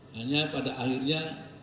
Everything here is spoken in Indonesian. hanya pada akhirnya